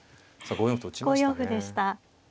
５四歩でした。